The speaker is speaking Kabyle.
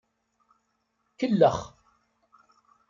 Kellex.